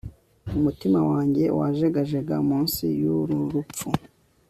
umutima wanjye wajegajega munsi y'uru rupfu